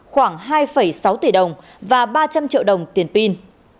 khoảng hai sáu tỷ đồng và ba trăm linh triệu đồng tiền pin